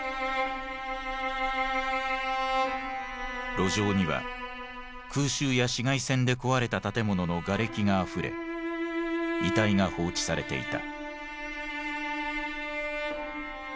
路上には空襲や市街戦で壊れた建物のがれきがあふれ遺体が放置されていた。